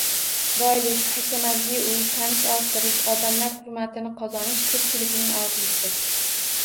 Boylik, hashamatli uy, tanish orttirish, odamlar hurmatini qozonish – ko‘pchilikning orzusi.